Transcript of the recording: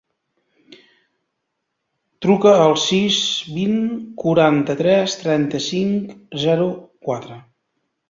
Truca al sis, vint, quaranta-tres, trenta-cinc, zero, quatre.